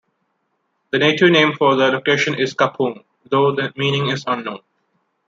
The native name for the location is Cappoong, though the meaning is unknown.